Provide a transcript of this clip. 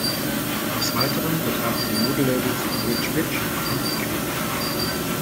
Des Weiteren betreibt sie die Modelabels "Rich Bitch" und "Queen".